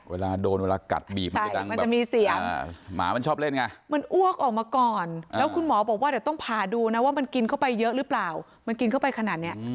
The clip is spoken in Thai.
เวลาโดนเวลากัดบีบมันจะมีเสียงหมามันชอบเล่นไงมันอ้วกออกมาก่อนแล้วคุณหมอบอกว่าเดี๋ยวต้องผ่าดูนะว่ามันกินเข้าไปเยอะหรือเปล่ามันกินเข้าไปขนาดเนี้ย